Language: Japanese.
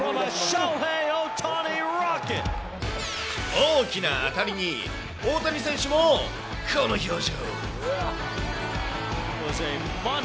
大きな当たりに大谷選手もこの表情。